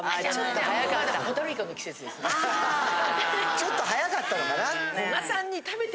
ちょっと早かったのかな。